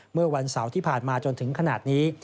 เมื่อวันเสาร์ที่ผ่านมาจนถึงขนาดนี้